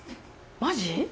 マジ？